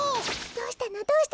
どうしたの？